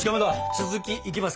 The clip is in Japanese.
続きいきますか。